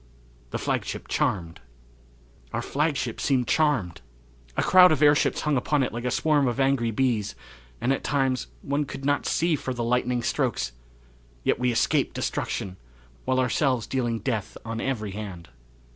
The Flagship Charmed! Our flagship seemed charmed. A crowd of airships hung upon it like a swarm of angry bees, and, at times, one could not see for the lightning strokes yet we escaped destruction, while ourselves dealing death on every hand.